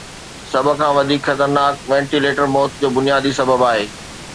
سڀ کان وڌيڪ خطرناڪ وينٽيليٽر موت جو بنيادي سبب آهي.